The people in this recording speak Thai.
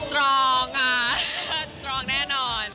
ตรองค่ะตรองแน่นอน